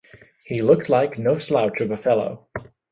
He looks like no slouch of a fellow.